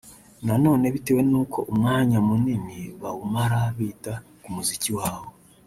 nanone bitewe nuko umwanya munini bawumara bita ku muziki wabo